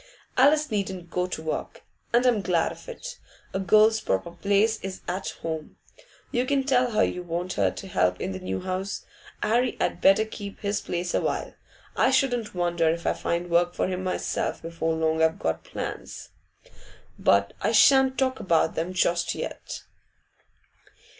Alice needn't go to work, and I'm glad of it; a girl's proper place is at home. You can tell her you want her to help in the new house. 'Arry had better keep his place awhile. I shouldn't wonder if I find work for him myself before long I've got plans, but I shan't talk about them just yet.